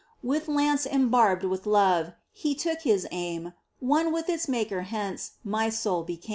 With lance embarbed with love He took His aim — One with its Maker hence My soul became.